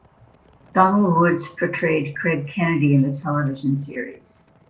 Donald Woods portrayed Craig Kennedy in the television series.